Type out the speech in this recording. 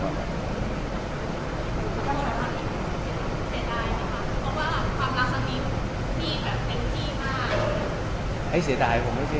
เซดายผมรู้สึกคำว่าเซดายมีเสียใจ